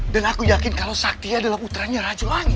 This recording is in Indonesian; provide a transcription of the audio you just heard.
dan aku yakin kalau sakti adalah puteranya ratu langit